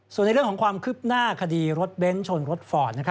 ส่วนในเรื่องของความคืบหน้าคดีรถเบ้นชนรถฟอร์ด